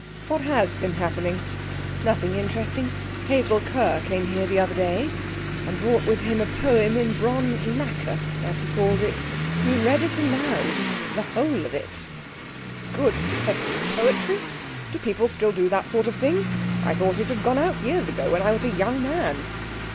'What has been happening?' 'Nothing interesting. Hazel Kerr came here the other day and brought with him a poem in bronze lacquer, as he called it. He read it aloud the whole of it.' 'Good heavens! Poetry! Do people still do that sort of thing? I thought it had gone out years ago when I was a young man.'